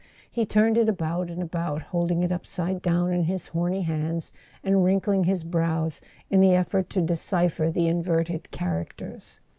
He turned it about and about, holding it upside down in his horny hands, and wrinkling his brows in the effort to decipher the inverted characters.